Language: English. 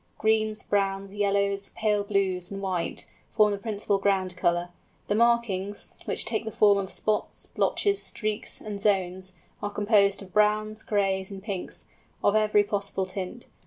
Greens, browns, yellows, pale blues, and white, form the principal ground colour; the markings, which take the form of spots, blotches, streaks, and zones, are composed of browns, grays, and pinks, of every possible tint.